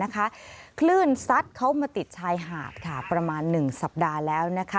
คลื่นซัดเข้ามาติดชายหาดประมาณ๑สัปดาห์แล้ว